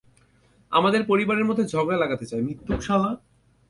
আমাদের পরিবারের মধ্যে ঝগড়া লাগাতে চায়, মিথ্যুক শালা।